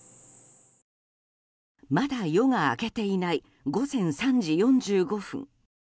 まだ夜が明けていない午前３時４５分。